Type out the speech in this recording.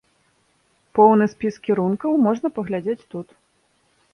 Поўны спіс кірункаў можна паглядзець тут.